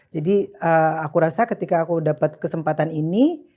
jadi aku rasa ketika aku dapat kesempatan ini